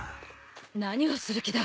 何をする気だ。